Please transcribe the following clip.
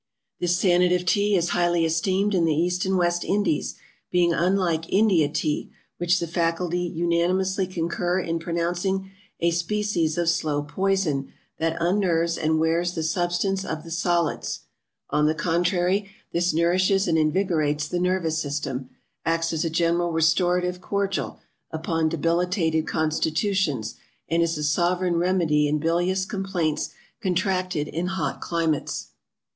This Sanative Tea is highly esteemed in the East and West Indies, being unlike INDIA TEA, which the Faculty unanimously concur in pronouncing a species of Slow Poison that unnerves and wears the substance of the solids; on the contrary, this nourishes and invigorates the Nervous System, acts as a GENERAL RESTORATIVE CORDIAL, upon debilitated Constitutions, and is a sovereign remedy in Bilious Complaints contracted in hot climates.